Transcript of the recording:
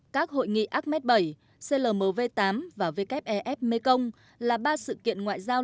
các hội nghị acmed bảy clmv tám và vkf ef mekong là ba sự kiện ngoại giao